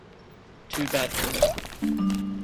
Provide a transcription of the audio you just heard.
Too bad for her.